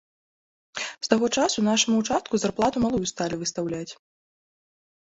З таго часу нашаму ўчастку зарплату малую сталі выстаўляць.